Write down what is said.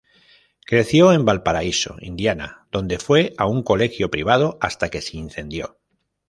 Creció en Valparaíso, Indiana, donde fue a un colegio privado hasta que se incendió.